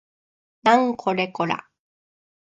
なんこれこら